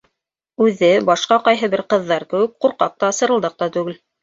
Үҙе, башҡа ҡайһы бер ҡыҙҙар кеүек, ҡурҡаҡ та, сырылдаҡ та түгел.